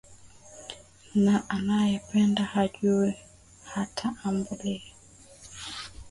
Na anayempenda hajui, hatambui.